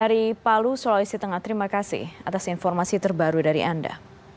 dari palu sulawesi tengah terima kasih atas informasi terbaru dari anda